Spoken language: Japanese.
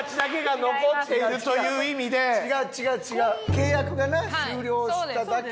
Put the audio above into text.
契約がな終了しただけ。